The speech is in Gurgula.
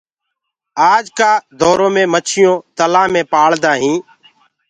آج ڪآ دورو مي مڇيونٚ تلهآ مي پآݪدآ هينٚ